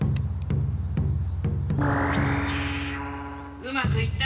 うまくいったかい？